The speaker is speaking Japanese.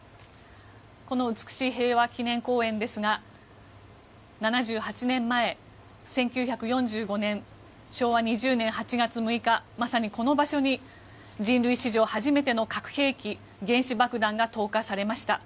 この美しい平和記念公園ですが７８年前、１９４５年昭和２０年８月６日まさにこの場所に人類史上初めての核兵器原子爆弾が投下されました。